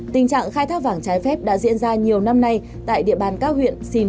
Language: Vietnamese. tình trạng khai thác vàng trái phép đã diễn ra nhiều năm nay tại địa bàn các huyện